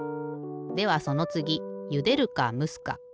ではそのつぎゆでるかむすか。